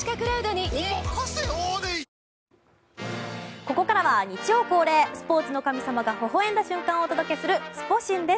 ここからは、日曜恒例スポーツの神様がほほ笑んだ瞬間をお届けするスポ神です。